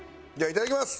いただきます！